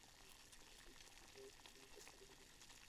অনেক যোগ্য কবি বাদ পড়ে গেছেন এবং অযোগ্য কবি ঢুকে পড়েছেন—এই অভিযোগে।